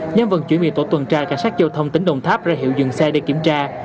nhóm vận chuyển bị tổ tuần tra cảnh sát giao thông tỉnh đồng tháp ra hiệu dừng xe để kiểm tra